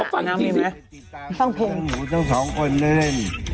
ฟังเพลง